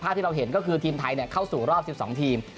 ที่เราเห็นก็คือทีมไทยเข้าสู่รอบ๑๒ทีม